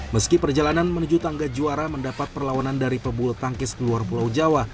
meski perjalanan menuju tangga juara mendapat perlawanan dari pebulu tangkis keluar pulau jawa